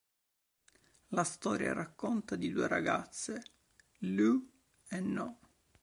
La storia racconta di due ragazze, Lou e No.